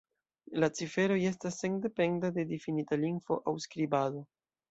La ciferoj estas sendependa de difinita lingvo aŭ skribado.